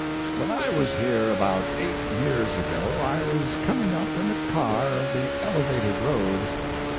When I was here about eight years ago I was coming up in a car of the elevated road.